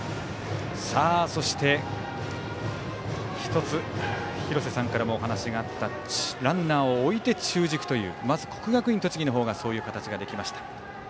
そして、１つ廣瀬さんからもお話があったランナーを置いて中軸というまず国学院栃木のほうがそういう形ができました。